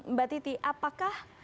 mbak titi apakah